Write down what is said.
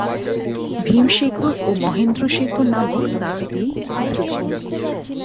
ভীম শেখর ও মহেন্দ্র শেখর নামক তাঁর দুই পুত্র ছিল।